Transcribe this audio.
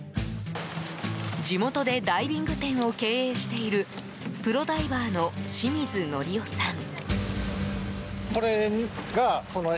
地元でダイビング店を経営しているプロダイバーの清水憲夫さん。